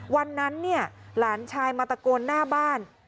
วันนั้นเนี่ยหลานชายมาตะโกนหน้าบ้าน